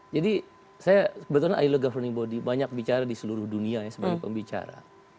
jadi saya sebetulnya ilo governing body banyak bicara di seluruh dunia sebagai pembicara